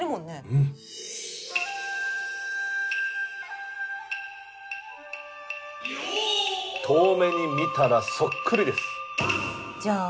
うん遠目に見たらそっくりですじゃあ